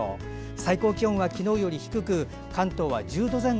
最高気温は昨日より低く関東は１０度前後。